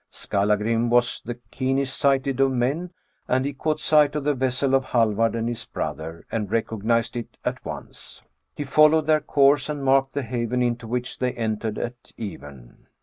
Skallagrim was the keenest sighted of men, and he caught sight of the vessel of Hallvard and his brother, and recognized it at once. He followed their course and marked the haven into which they entered at even.